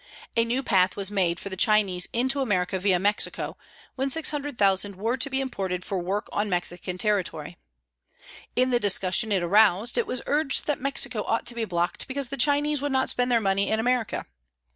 A new path was made for the Chinese into America via Mexico, when 600,000 were to be imported for work on Mexican territory. In the discussion it aroused it was urged that Mexico ought to be blocked because the Chinese would not spend their money in America.